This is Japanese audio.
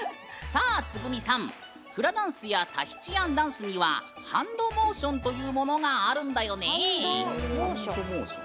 つぐみさん、フラダンスやタヒチアンダンスにはハンドモーションというものがあるんだよね。